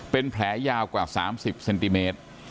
เป็นแผลยากว่าสามสิบเซนติเมตร